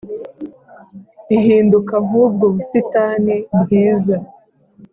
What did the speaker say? ihinduka nk’ubwo busitani bwiza